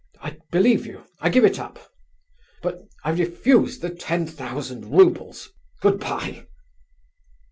I believe you. I give it up.... But I refuse the ten thousand roubles. Good bye."